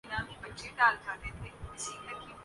وُہ تحیّر جو تُمھیں لے کے یہاں آیا تھا